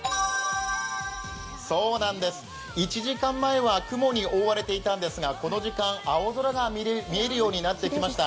そうなんです、１時間前は雲に覆われていたんですがこの時間、青空が見えるようになってきました。